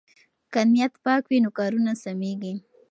که نیت پاک وي نو کارونه سمېږي.